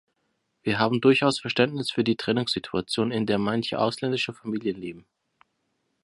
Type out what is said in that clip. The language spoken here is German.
Wir haben durchaus Verständnis für die Trennungssituation, in der manche ausländische Familien leben.